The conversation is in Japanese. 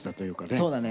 そうだね。